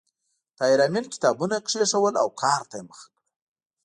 طاهر آمین کتابونه کېښودل او کار ته یې مخه کړه